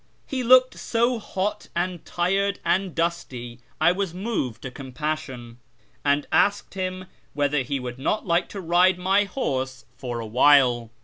He looked so hot and tired and dusty that I was moved to compassion, and asked him whether he would not like to ride my horse for a while.